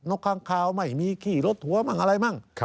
กค้างคาวไม่มีขี้รถหัวมั่งอะไรมั่ง